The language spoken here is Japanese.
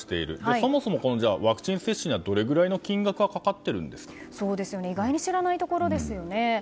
そもそもワクチン接種にはどれぐらいの金額が意外に知らないところですよね。